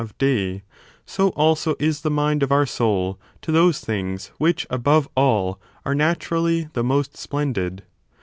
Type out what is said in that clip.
of day, so also is the mind of our soul to those things which, above all, are naturally the most splendid.